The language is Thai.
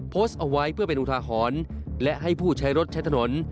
โพสต์เอาไว้เพื่อเป็นอุทาหรณ์และให้ผู้ใช้รถใช้ถนน